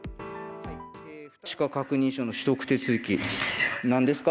資格確認書の取得手続き、なんですか？